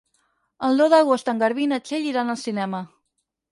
El deu d'agost en Garbí i na Txell iran al cinema.